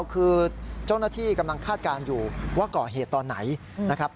คือเจ้าหน้าที่กำลังคาดการณ์อยู่ว่าก่อเหตุตอนไหนนะครับ